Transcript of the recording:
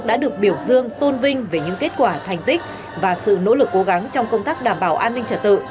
đã được biểu dương tôn vinh về những kết quả thành tích và sự nỗ lực cố gắng trong công tác đảm bảo an ninh trật tự